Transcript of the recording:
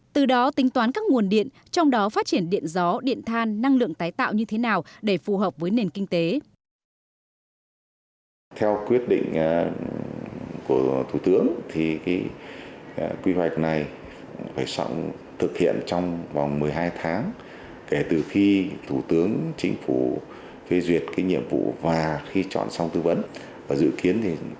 từ đó tính toán các nguồn điện trong đó phát triển điện gió điện than năng lượng tái tạo như thế nào để phù hợp với nền kinh tế